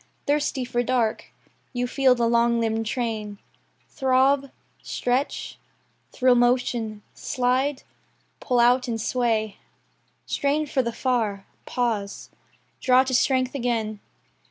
Thirsty for dark, you feel the long limbed train Throb, stretch, thrill motion, slide, pull out and sway, Strain for the far, pause, draw to strength again.